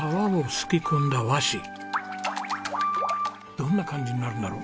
どんな感じになるんだろう？